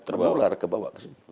memular ke bawah